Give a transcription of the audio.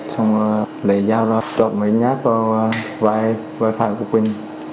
xong lấy dao ra trộn với nhát vào vai phải của quên